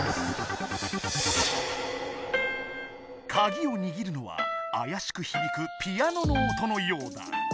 カギをにぎるのはあやしくひびくピアノの音のようだ。